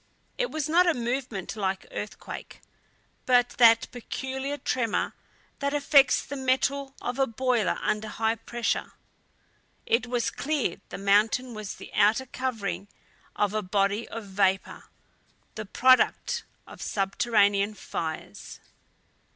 It was not a movement like earthquake, but that peculiar tremor that affects the metal of a boiler under high pressure. It was clear the mountain was the outer covering of a body of vapor, the product of subterranean fires.